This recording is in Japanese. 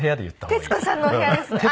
「徹子さんのお部屋」ですね。